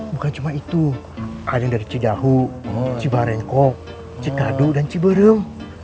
bukan cuma itu ada yang dari cidahu cibarengkok cekadu dan ciberem